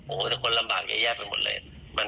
โอ้โฮจะควรลำบากแย่ไปหมดเลย